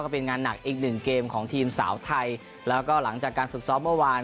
เป็นงานหนักอีกหนึ่งเกมของทีมสาวไทยแล้วก็หลังจากการฝึกซ้อมเมื่อวาน